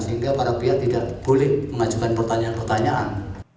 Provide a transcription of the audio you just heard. sehingga para pihak tidak boleh mengajukan pertanyaan pertanyaan